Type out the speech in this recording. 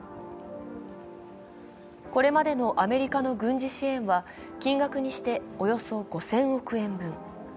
これまでのアメリカの軍事支援は金額にしておよそ５０００億円分。